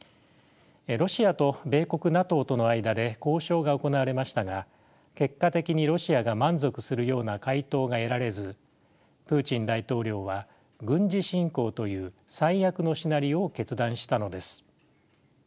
ロシアと米国・ＮＡＴＯとの間で交渉が行われましたが結果的にロシアが満足するような回答が得られずプーチン大統領は軍事侵攻という最悪のシナリオを決断したのです。